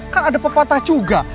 kan ada pepatah juga